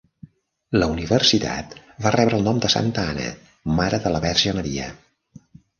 La Universitat va rebre el nom de Santa Anna, mare de la Verge Maria.